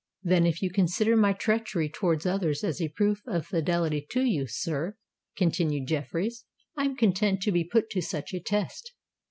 "Then if you consider my treachery towards others as a proof of fidelity to you, sir," continued Jeffreys, "I am content to be put to such a test.